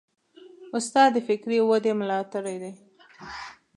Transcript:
استاد د فکري ودې ملاتړی دی.